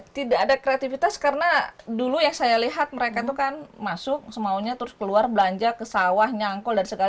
tidak ada kreativitas karena dulu yang saya lihat mereka tuh kan masuk semaunya terus keluar belanja ke sawah nyangkol dan segala macam